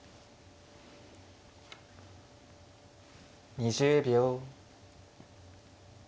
２０秒。